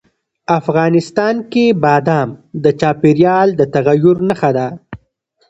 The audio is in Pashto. افغانستان کې بادام د چاپېریال د تغیر نښه ده.